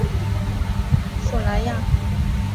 索莱亚。